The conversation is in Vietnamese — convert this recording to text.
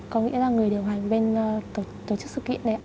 có nghĩa là người điều hành bên tổ chức sự kiện đấy ạ